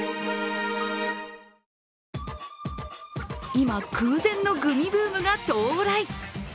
今、空前のグミブームが到来。